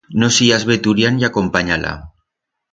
No sías veturián y acompanya-la.